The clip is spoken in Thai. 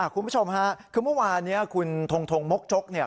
คุณผู้ชมค่ะคือเมื่อวานนี้คุณทงทงมกจกเนี่ย